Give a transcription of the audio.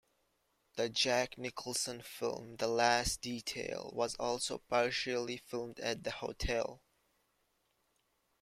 The Jack Nicholson film "The Last Detail" was also partially filmed at the hotel.